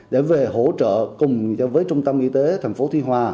để về hỗ trợ cùng với trung tâm y tế tp tuy hòa